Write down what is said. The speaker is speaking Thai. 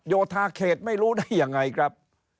โยธาเขตไม่รู้ได้ยังไงครับ